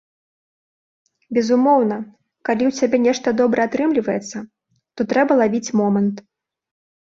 Безумоўна, калі ў цябе нешта добра атрымліваецца, то трэба лавіць момант.